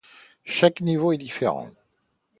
Chaque niveau est différent.